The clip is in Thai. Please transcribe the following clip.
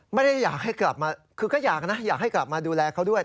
ไม่ได้อยากให้กลับมาคือก็อยากนะอยากให้กลับมาดูแลเขาด้วย